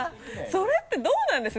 それってどうなんです？